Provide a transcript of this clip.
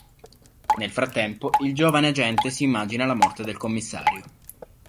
Nel frattempo il giovane agente si immagina la morte del commissario.